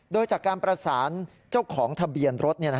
โดยจากการประสานเจ้าของทะเบียนรถ